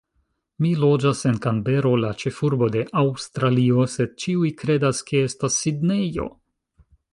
Mi loĝas en Kanbero, la ĉefurbo de Aŭstralio, sed ĉiuj kredas, ke estas Sidnejo!